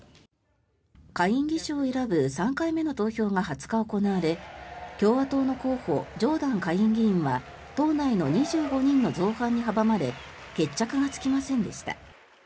下院議長を選ぶ３回目の投票が２０日行われ共和党の候補ジョーダン下院議員は党内の２５人の造反に阻まれ決着がつきませんでした。